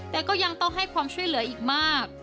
แต่ก็ยังต้องให้ความช่วยเหลืออีกมาก